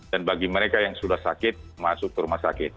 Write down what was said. dan bagi mereka yang sudah sakit masuk ke rumah sakit